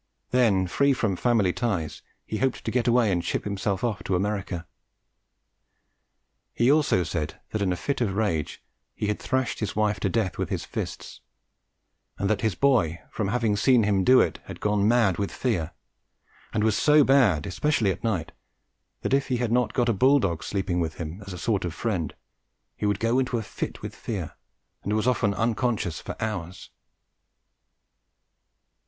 Then, free from family ties, he hoped to get away and ship himself off to America. He also said that in a fit of rage he had thrashed his wife to death with his fists, and that his boy from having seen him do it had gone mad with fear, and was so bad, especially at night, that if he had not got a bull dog sleeping with him as a sort of friend, he would go into a fit with fear and was often unconscious for hours.